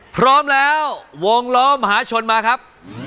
พร้อมแล้ววงล้อมหาชนมาครับ